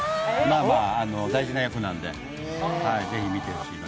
まあまあ大事な役なんで、ぜひ見てほしい。